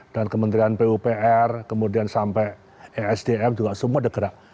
dan kementerian pupr kemudian sampai esdm juga semua sudah gerak